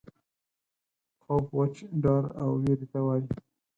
خوف وچ ډار او وېرې ته وایي.